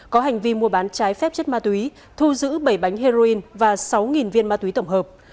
có hành vi mua bán trái phép chất ma túy thu giữ bảy bánh heroin và sáu viên ma túy tổng hợp